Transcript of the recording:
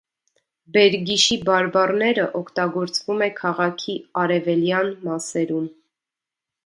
Բերգիշի բարբառները օգագործվում է քաղաքի արևելյան մասերում։